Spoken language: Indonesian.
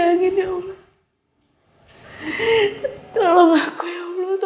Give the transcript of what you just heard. aku mohon ya allah